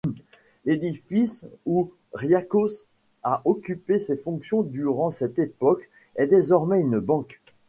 L'édifice où Riascos a occupé ses fonctions durant cette époque est désormais une banque.